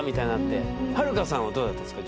はるかさんはどうだったんですか？